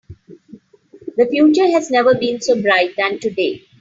The future has never been so bright than today.